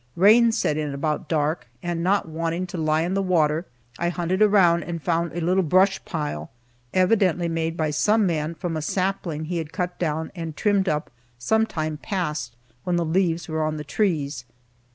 Rain set in about dark, and not wanting to lie in the water, I hunted around and found a little brush pile evidently made by some man from a sapling he had cut down and trimmed up some time past when the leaves were on the trees.